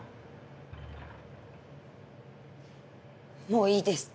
もういいです。